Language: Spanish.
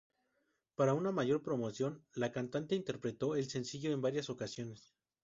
Para una mayor promoción, la cantante interpretó el sencillo en varias ocasiones.